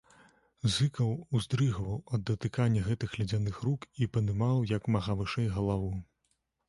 Зыкаў уздрыгваў ад датыкання гэтых ледзяных рук і падымаў як мага вышэй галаву.